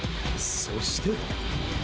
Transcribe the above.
そして。